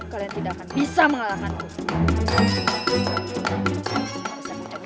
kalian tidak akan bisa mengalahkanku